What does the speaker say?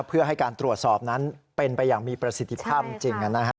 เพื่อให้การตรวจสอบนั้นเป็นไปอย่างมีประสิทธิภาพจริง